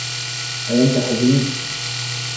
هل أنتَ حزين ؟